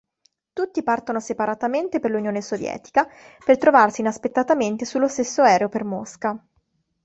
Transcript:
Tutti partono separatamente per l'Unione Sovietica, per trovarsi inaspettatamente sullo stesso aereo per Mosca.